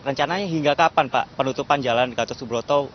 rencananya hingga kapan pak penutupan jalan gatot subroto